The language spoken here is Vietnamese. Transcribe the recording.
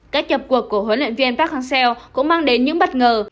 các nhập cuộc của huấn luyện viên park hang seo cũng mang đến những bất ngờ